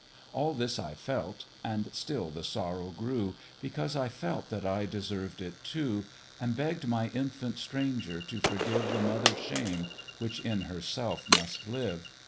All this I felt, and still the sorrow grew, Because I felt that I deserved it too, And begg'd my infant stranger to forgive The mother's shame, which in herself must live.